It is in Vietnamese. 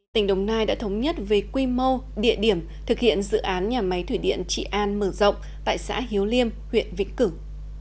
tỉnh đồng nai đã thống nhất về quy mô địa điểm thực hiện dự án nhà máy thủy điện trị an mở rộng tại xã hiếu liêm huyện vĩnh cửu